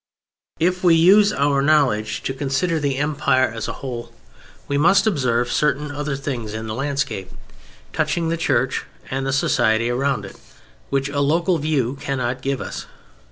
If we use our knowledge to consider the Empire as a whole, we must observe certain other things in the landscape, touching the Church and the society around it, which a local view cannot give us.